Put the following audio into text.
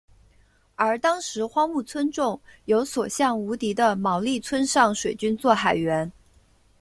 而当时荒木村重有所向无敌的毛利村上水军作海援。